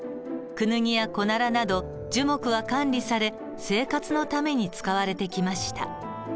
クヌギやコナラなど樹木は管理され生活のために使われてきました。